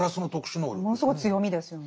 ものすごい強みですよね。